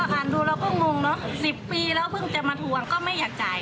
อ่านดูเราก็งงเนอะ๑๐ปีแล้วเพิ่งจะมาทวงก็ไม่อยากจ่าย